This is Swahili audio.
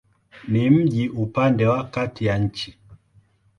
Ni mji upande wa kati ya nchi.